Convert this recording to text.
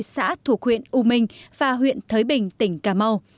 một mươi xã thuộc huyện ú minh và huyện thới bình tỉnh cà mau